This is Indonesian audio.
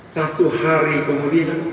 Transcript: satu hari kemudian